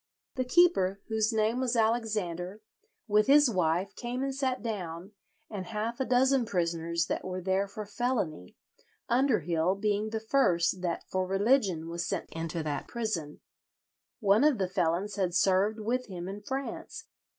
The keeper, whose name was Alexander, with his wife came and sat down, and half a dozen prisoners that were there for felony, Underhill being the first that for religion was sent into that prison. One of the felons had served with him in France.